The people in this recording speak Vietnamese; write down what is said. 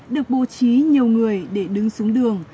được bố trí nhiều người để đứng xuống đường